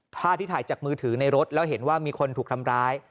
ภาพที่ถ่ายจากมือถือในรถแล้วเห็นว่ามีคนถูกทำร้าย